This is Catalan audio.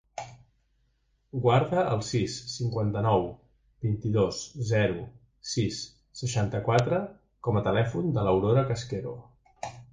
Guarda el sis, cinquanta-nou, vint-i-dos, zero, sis, seixanta-quatre com a telèfon de l'Aurora Casquero.